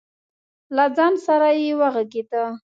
له ځان سره یې وغږېده.